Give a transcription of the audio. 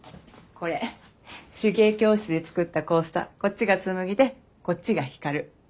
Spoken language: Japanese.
これ手芸教室で作ったコースターこっちが紬でこっちが光。